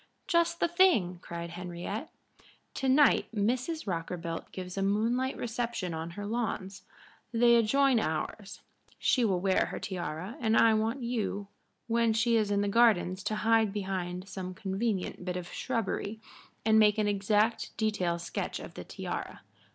"Just the thing!" cried Henriette. "To night Mrs. Rockerbilt gives a moonlight reception on her lawns. They adjoin ours. She will wear her tiara, and I want you when she is in the gardens to hide behind some convenient bit of shrubbery and make an exact detail sketch of the tiara.